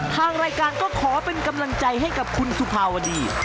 ทางรายการก็ขอเป็นกำลังใจให้กับคุณสุภาวดี